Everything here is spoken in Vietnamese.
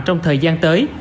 trong thời gian tới